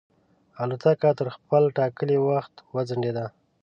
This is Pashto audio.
الوتکه تر خپل ټاکلي وخت وځنډېده.